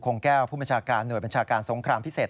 แก้วผู้บัญชาการหน่วยบัญชาการสงครามพิเศษ